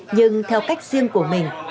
nhưng theo cách riêng của mình